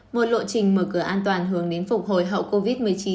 một lộ trình mở cửa an toàn hướng đến phục hồi hậu covid một mươi chín